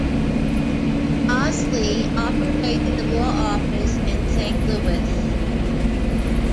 Bosley operated a law office in Saint Louis.